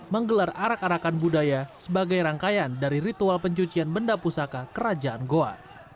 menggelar arak arakan budaya sebagai rangkaian dari ritual pencucian benda pusaka kerajaan goa